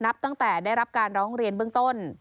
นับตั้งแต่ได้รับการร้องเรียนเบื้องต้น